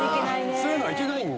そういうの行けないんで。